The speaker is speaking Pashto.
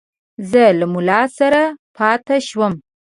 زه له مُلا سره پاته شوم.